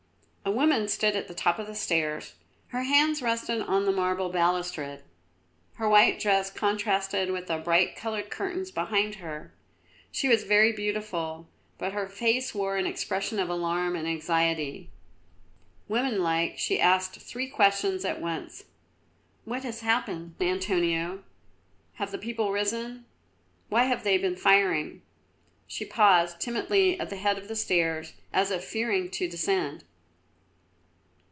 A woman stood at the top of the stairs. Her hands rested on the marble balustrade; her white dress contrasted with the bright coloured curtains behind her. She was very beautiful, but her face wore an expression of alarm and anxiety. Woman like she asked three questions at once. "What has happened, Antonio? Have the people risen? Why have they been firing?" She paused timidly at the head of the stairs, as if fearing to descend.